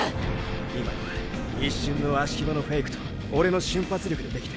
今のは一瞬の葦木場のフェイクとオレの瞬発力でできてる。